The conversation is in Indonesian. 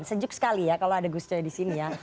sejuk sekali ya kalau ada gus coy di sini ya